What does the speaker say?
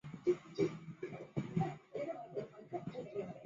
库里蒂巴努斯是巴西圣卡塔琳娜州的一个市镇。